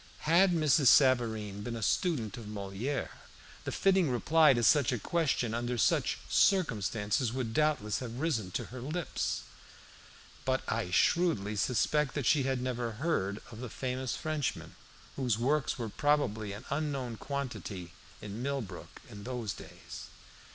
Had Mrs. Savareen been a student of Moliere, the fitting reply to such a question under such circumstances would doubtless have risen to her lips. But I shrewdly suspect that she had never heard of the famous Frenchman, whose works were probably an unknown quantity in Millbrook in those days.